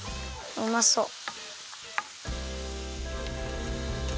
うまそう！